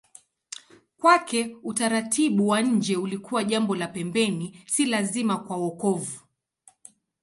Kwake utaratibu wa nje ulikuwa jambo la pembeni, si lazima kwa wokovu.